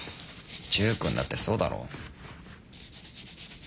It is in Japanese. チュウ君だってそうだろ。